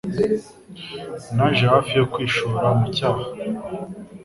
Naje hafi yo kwishora mu cyaha.